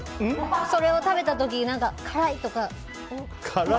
それを食べた時、辛いとか。